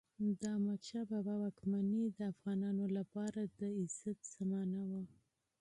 د احمدشاه بابا واکمني د افغانانو لپاره د عزت زمانه وه.